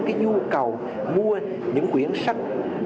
cái nhu cầu mua những quyển sách